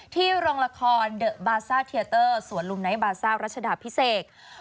โรงละครเดอะบาซ่าเทียเตอร์สวนลุมไนท์บาซ่ารัชดาพิเศษ